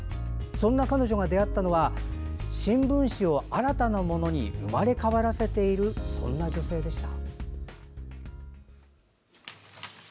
そんな彼女が出会ったのは新聞紙を新たなものに生まれ変わらせている女性でした。